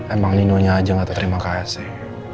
emang nino nya aja gak terima kaya sih